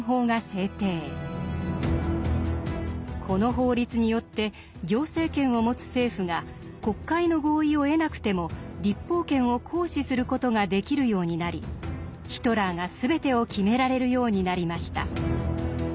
この法律によって行政権を持つ政府が国会の合意を得なくても立法権を行使する事ができるようになりヒトラーが全てを決められるようになりました。